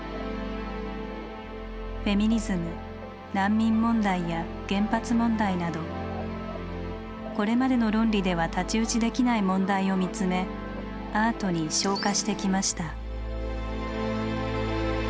フェミニズム難民問題や原発問題などこれまでの論理では太刀打ちできない問題を見つめアートに昇華してきました。